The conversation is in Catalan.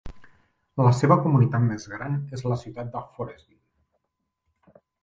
La seva comunitat més gran és la ciutat de Forestville.